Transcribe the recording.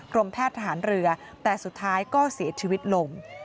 แพทย์ทหารเรือแต่สุดท้ายก็เสียชีวิตลง